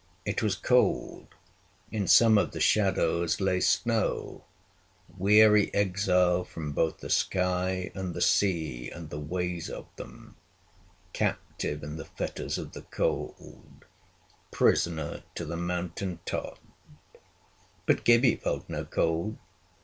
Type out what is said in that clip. It was cold; in some of the shadows lay snow weary exile from both the sky and the sea and the ways of them captive in the fetters of the cold prisoner to the mountain top; but Gibbie felt no cold.